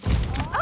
あ。